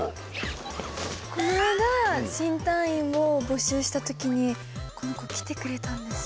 この間新隊員を募集した時にこの子来てくれたんです。